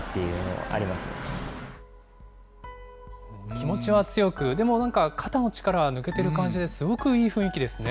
気持ちは強く、でもなんか肩の力は抜けている感じで、すごくいい雰囲気ですね。